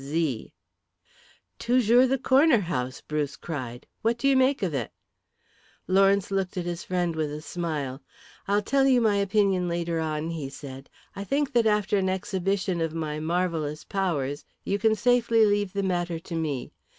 Z." "Toujours the corner house," Bruce cried. "What do you make of it?" Lawrence looked at his friend with a twinkle. "I'll tell you my opinion later on," he said. "I think that after an exhibition of my marvellous powers, you can safely leave the matter to me.